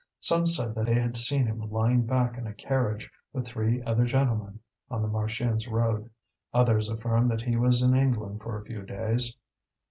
Some said they had seen him lying back in a carriage, with three other gentlemen, on the Marchiennes road; others affirmed that he was in England for a few days.